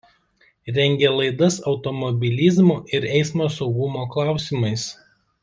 Rengė laidas automobilizmo ir eismo saugumo klausimais.